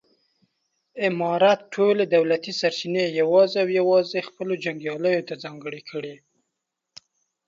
امارت ټولې دولتي سرچینې یوازې او یوازې خپلو جنګیالیو ته ځانګړې کړې.